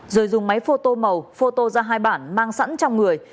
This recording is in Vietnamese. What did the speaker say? rồi dùng máy phô tô màu phô tô ra hai bản mang sẵn trong người